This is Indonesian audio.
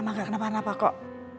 mama gak kenapa napa kok